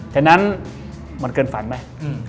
ฉะนั้นมันเกินฝันไหม